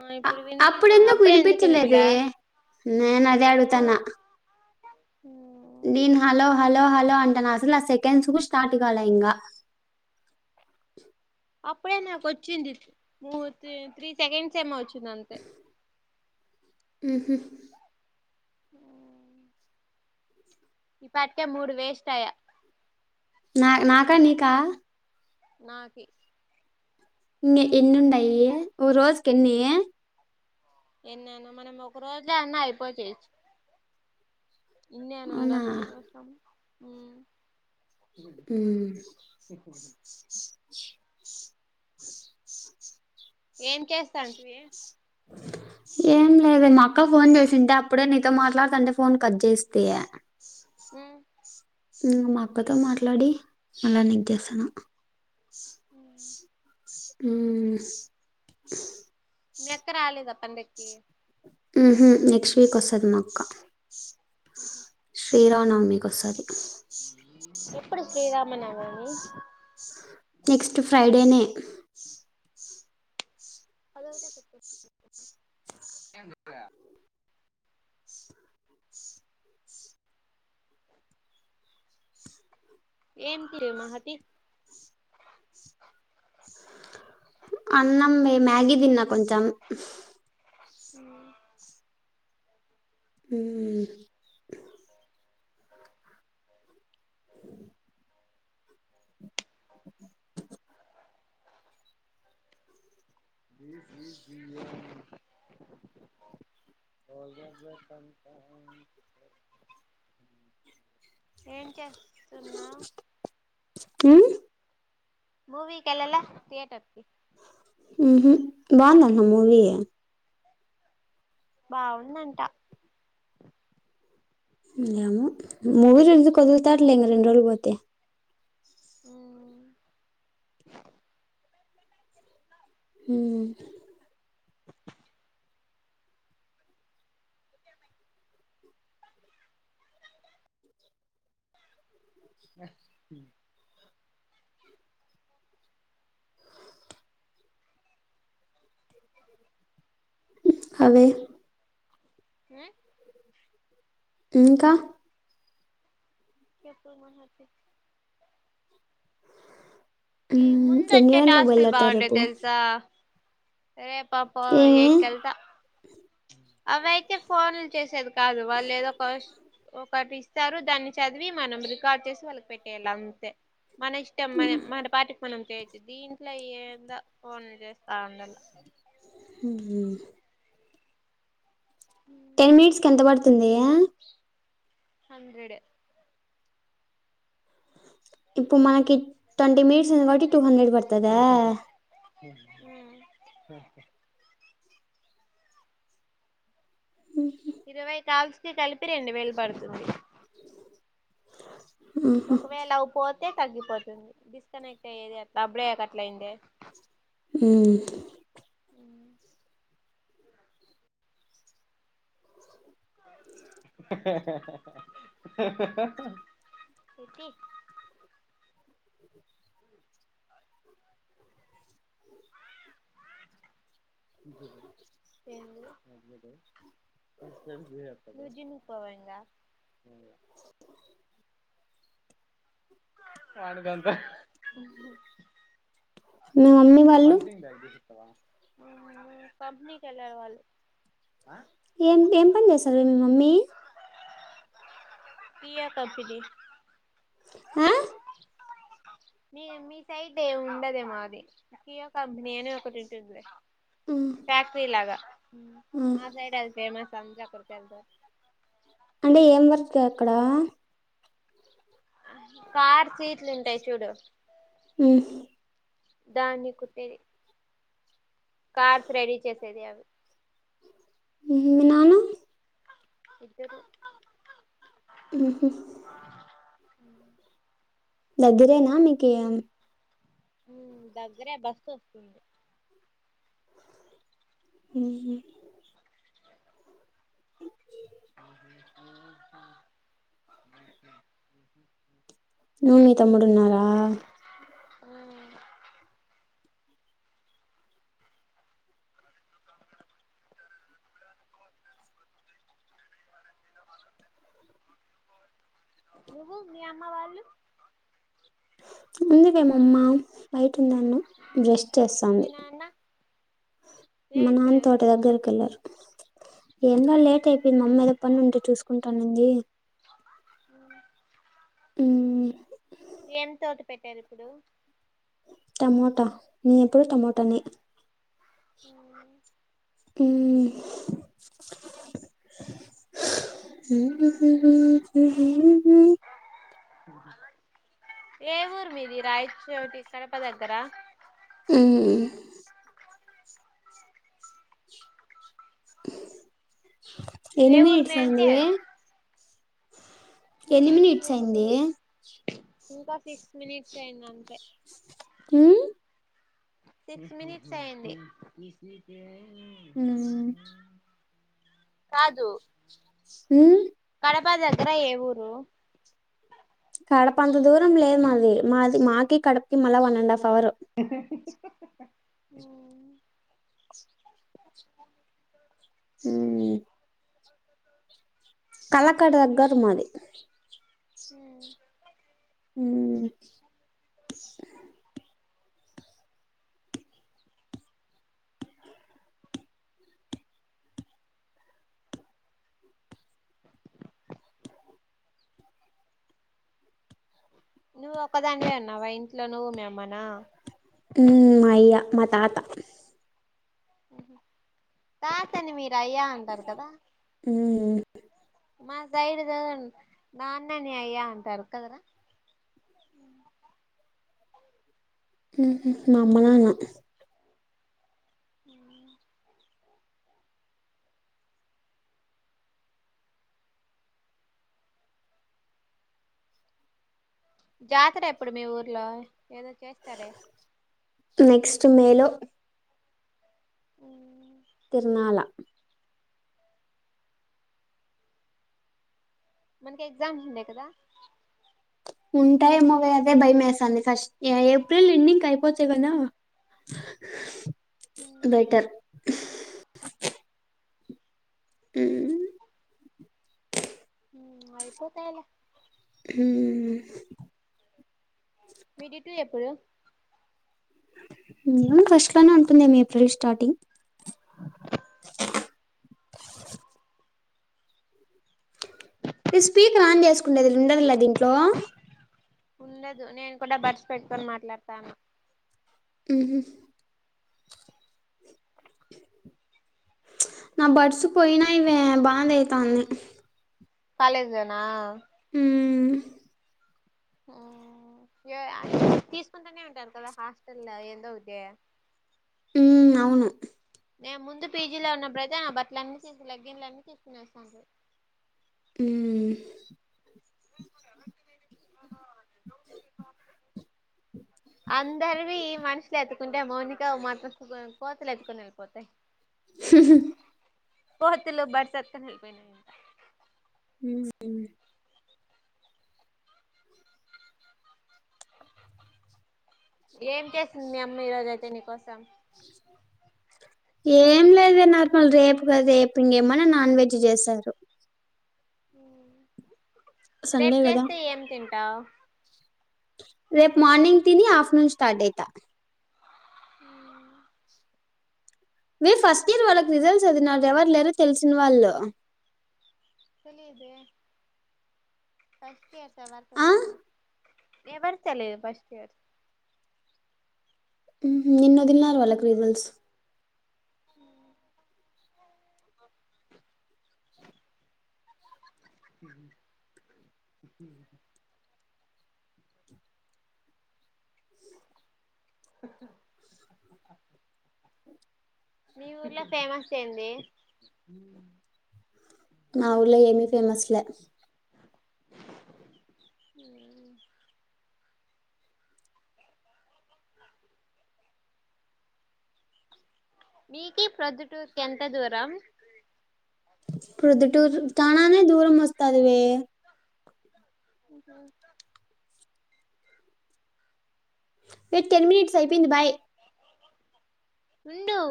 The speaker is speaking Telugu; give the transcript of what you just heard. ఆ ఇప్పుడు వినిపిస్తాంది అప్పుడెందుకూ అప్పుడే ఎందుకు వినిపించలేదే. వినిపిలా నేను అదే ఏమో అడుగుతానా నేను హలో హలో హ లో అంటనా అసలు నా సెకండ్స్ కు స్టార్ట్ కాల ఇంగా అప్పుడే నాకు వచ్చింది ఓ త్రీ త్రీ సెకండ్స్ ఏమో వచ్చి దంతే హుహ్ ఆ ఈపాటికే మూడు వేస్ట్ అయ్యే నా నాకా నీకా నాకి. ఇ ఎన్ని ఉన్నయి రోజు ఎన్నీ ఎన్ని అన్నా మనం ఒక రోజుల అన్ని అయిపోతయి. ఇన్ని అని అవునా ఉండాల్సినఅవసరం హ్మ్ ఉమ్ ఏం చేస్తాంటివె. ఏం లేదే మా అక్క ఫోన్ చేసింటే అప్పుడే నీతో మాట్లాడుతాంటే ఫోన్ కట్ చేస్తీ ఉ హ్ మా అక్కతో మాట్లాడి మల్లా నీగ్ చేస్తానా. హ్ మీ అక్కా రాలేదా అందరికి హుహ్ నెక్స్ట్ వీక్ వస్తది మా అక్కా. ఆహ శ్రీరామనవమికి వొస్తాది. ఎప్పుడు శ్రీరామ నవమి. నెక్స్ట్ ఫ్రైడేనే అదొక్కటి ఏంటి రే మాహతి అన్నం మే మ్యాగీ తిన్నా కొంచెం అ మ్మ్ ఏం చేస్ స్తున్నావ్ హ్మ్ మూవీ కెళ్ళాలే థియేటర్ మ్మహ్ బావుందా నా మూవీ బావుందంట ము మూవీరుల్స్ కి వద్దుల్తాడు లే ఇంగా రెండు రోజులు పోతే అ మ్మ్ ఆ అవే ఆయ్ ఇంకా చెప్పు [unintelligible] ఈ హ్మ్ ముందు ఎన్ని వచ్చే గంటలకు టాస్కులు బయలుదేరుతావు బాగుండే రేపు తెలుసా రేపా పౌ ఏమి ఎయిట్ కెల్త అవి అయితే ఫోన్లు చేసేది కాదు వాళ్ళు ఏదో కోష్ ఒక ఒకటి ఇస్తారు దాన్ని చదివి మనం రికార్డ్ చేసి వాళ్ళకి పెట్టేయాలి అంతే మన ఇష్టం మనే మనం పాటి పనం చేయొచ్చు దీంట్లో ఏందో ఫోన్లు చేస్తా ఉండలా మ్మ్ టెన్ మినిట్స్ కి ఎంత పడుతుందియ హండ్రెడే ఇప్పుడు మనకి ట్వంటీ మినిట్ కాబట్టి టూ హండ్రెడ్ పడ్తదా మ్మ్ మ్మ్ ఇరవై కాల్సి కలిపి రెండు వేలు పడుతుంది ఒకవేళ అవి పొ తే తగ్గిపోతుంది డిస్కనెక్ట్ అయ్యేది అట్లా బ్రేక్ అట్ల అయిందే మ్మ్ [unintelligible] [inaudible] [unintelligible] మీ మమ్మీ వాళ్ళు మ్మ్ కంపెనీ కెల్లారు వాళ్ళు ఏం ఏం పని చేసది వీళ్ళ మమ్మీ దియా కంపెనీ హా మీ మీ సైడ్ ఏం ఉండదేమో అది దియో కమ్ నేను ఒకటి ఉంటుంది లే ఫ్యాక్టరీ లాగా మా సైడ్ అది ఫేమస్ సంజా కొడితే ఎంతో అంటే ఏం వర్క్ అక్కడ కార్ సీట్లు ఉంటాయి చూడు హ్మ్ దాన్ని కుట్టేది కార్స్ రెడీ చేసేది అవి ఉహు మీ నాన్న ఇద్దరు హ్మ్ హు హ్మ్ దగ్గరేనా మీకి హ్మ్ దగ్గరే బస్సు వొస్తుంది హ్మ్ నువ్వు మీ తమ్ముడు ఉన్నారా నువ్వు మీ అమ్మ వాళ్ళు ఉంది మే మమ్మ బయటుంది యాన్నో, బ్రష్ మీ చేస్తాంది నాన్న ఏ మా నాన్న ఇప్పుడు తోట దగ్గరక్ వెళ్లార్. ఏం లా లేట్ అయిపోయింది మమ్మీ ఏదో పని ఉంటే చూసుకుంటానంది. హ్మ్ హ్మ్ ఏం తోట పెట్టారు ఇప్పుడు టమోటా నే ఎప్పుడు టమోటానే ఆ హ్మ్ ఏ ఊరు మీది రాయచోటి కడప దగ్గర హ్మ్ ఏ ఎన్ని ఊరు మినిట్స్ మీ అయ్యింది అంటే వే చూడు ఎన్ని మినిట్స్ ఏమో అయ్యింది తెలియదు ఇంకా సిక్స్ మినిట్స్ అయ్యింది అంతే హ్మ్ సిక్స్ మినిట్స్ అయ్యింది హ్మ్ కాదు హ్మ్ హైదరాబాద్ దగ్గర ఏ ఊరు కడప అంత దూరం లేదు మాది మాది మాకి కడపకి మళ్ళ వన్ అండ్ హాఫ్ అవర్ హ్మ్ కళకడ దగ్గర మాది హ్మ్ నువ్వు ఒకదానివే ఉన్నావా ఇంట్లో నువ్వు మీ అమ్మ హ్మ్ అయ్య మ తాత తాతని మీరు గయా అంటారు కదా మ్మ్ మా సైడి దగ్గర నాన్నని అయ్యా అంటారు కదరా ఊహూ మా అమ్మ నాన్న జాతర ఎప్పుడు మీ ఊర్లో ఏదో చేస్తాలే చ్చు మేలో తిర్నాల మనకి ఎగ్జామ్స్ ఉండే కదా ఉంటాయేమోగ అదే భయమేస్తుంది ఫస్ట్ బెటర్ మ్మ్ మ్మ్ అయిపోతాయి లే మ్మ్ విటిటు ఎప్పుడు మ్మ్ ఫస్ట్ లోనే ఉంటుందేమో ఏప్రిల్ స్టార్టింగ్ ఈ స్పీకర్ ఆన్ చేసుకుండేది ఉండదులా దీంట్లో ఉండదు నేను కూడా బర్డ్స్ పెట్టుకొని మాట్లాడతాన మ్మ్ హ్మ్ నా బడ్సు పోయినాయివే బాధ అయితాంది కాలేజ్ లోనా మ్మ్ మ్మ్ ఏ తీసుకుంటానే ఉంటారు కదా హాస్టల్లో ఏదోటి మ్మ్ అవును నేను ముందు పీజీలో ఉన్నబుడయితే నా బట్టల అన్నీ తీ లెగ్గిన్లన్నీ తీసుకునేసినారు. మ్మ్ అందరివి మనుషులు ఎత్తుకుంటే మౌనిక వి మాత్రం కోతలు ఎత్తుకొని వెళ్ళిపోతాయి కోతులు బట్లెత్తుకొని ఎల్లిపోయినాయి. మ్మ్ మ్మ్ ఏం చేసింది మీ అమ్మా ఈ రోజయితే నీకోసం ఏం లేదు నార్మల్ రేపుగాద రేపు ఇంగేమని నాన్ వెజ్ చేశారు సండే రేపు కదా చేస్తే ఏం తింటావు రేపు మార్నింగ్ తిని ఆఫ్టర్నూన్ స్టార్ట్ అయితా మీ ఫస్ట్ ఇయర్ వాళ్ళకి రిజల్ట్స్ వదిలినారు ఎవరు లేర తెలిసిన వాళ్ళు తెలీదే ఎవరు ఆ తెలీదు నాకు ఎవరు తెలీదు ఫస్టియరు ఊహూ నిన్న వదిలినారు వాళ్ళకి రిజల్ట్స్ మీ ఊర్లో ఫేమస్ ఏంది మా ఊర్లో ఏమి ఫేమస్ లే మీకి ప్రొద్దుటూరుకి ఎంత దూరం ప్రొద్దుటూరు చానానే దూరం వస్తాదివే నీకు టెన్ మినిట్స్ అయిపోయింది బాయ్ ఉండు